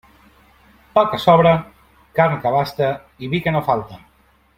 Pa que sobre, carn que abaste i vi que no falte.